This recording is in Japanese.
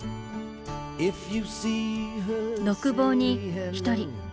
独房に一人。